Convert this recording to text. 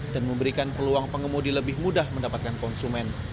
dan memberikan peluang pengemudi lebih mudah mendapatkan konsumen